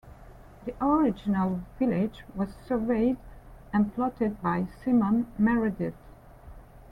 The original village was surveyed and plotted by Simon Meredith.